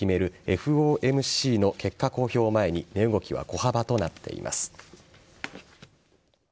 ＦＯＭＣの結果公表を前に値動きは小幅となっています。